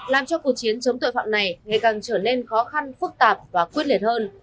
làm cho cuộc chiến chống tội phạm này ngày càng trở nên khó khăn phức tạp và quyết liệt hơn